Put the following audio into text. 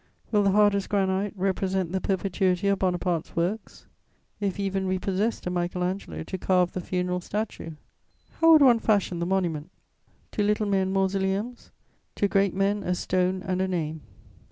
Will the hardest granite represent the perpetuity of Bonaparte's works? If even we possessed a Michael Angelo to carve the funeral statue? How would one fashion the monument? To little men mausoleums, to great men a stone and a name.